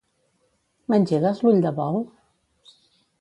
M'engegues l'ull de bou?